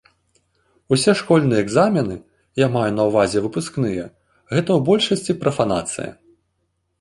Усе школьныя экзамены, я маю на ўвазе выпускныя, гэта ў большасці прафанацыя.